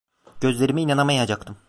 Gözlerime inanamayacaktım: